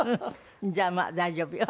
じゃあまあ大丈夫よ。